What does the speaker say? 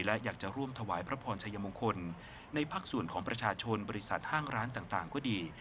และอยากจะร่วมถวายพระพรชัยมงคลในภาคส่วนของประชาชนบริษัทห้างร้านต่างก็ดี